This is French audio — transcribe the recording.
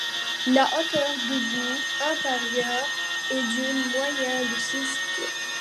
La hauteur debout intérieure est d'une moyenne de six pieds.